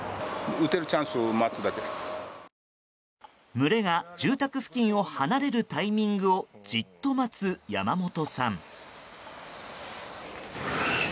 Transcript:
群れが住宅付近を離れるタイミングをじっと待つ山本さん。